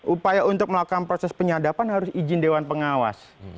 upaya untuk melakukan proses penyadapan harus izin dewan pengawas